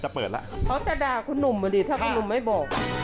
เปิดแล้วเขาจะด่าคุณหนุ่มมาดิถ้าคุณหนุ่มไม่บอก